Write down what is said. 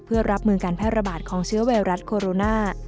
เพื่อรับมือการแพร่ระบาดของเชื้อไวรัสโคโรนา